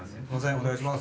お願いします。